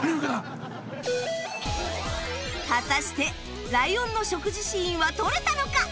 果たしてライオンの食事シーンは撮れたのか？